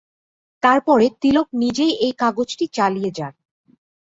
তারপরে তিলক নিজেই এই কাগজটি চালিয়ে যান।